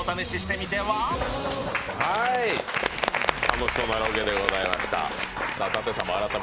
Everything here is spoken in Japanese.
楽しそうなロケでございました。